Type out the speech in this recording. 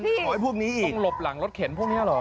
ต้องลบหลังรถเข็นพวกนี้หรอ